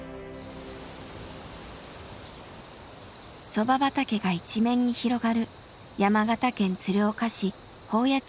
そば畑が一面に広がる山形県鶴岡市宝谷地区。